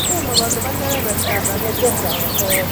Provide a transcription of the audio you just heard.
Tomokoliban kebebertab robinikab kot